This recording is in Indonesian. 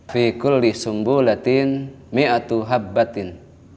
fi kulli sumbulatin mi'atu habbatin